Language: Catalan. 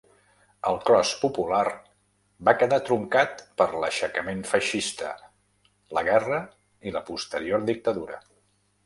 El Cros Popular va quedar truncat per l'aixecament feixista, la guerra i la posterior dictadura.